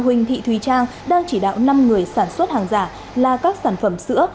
huỳnh thị thùy trang đang chỉ đạo năm người sản xuất hàng giả là các sản phẩm sữa